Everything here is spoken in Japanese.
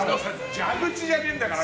蛇口じゃねえんだから。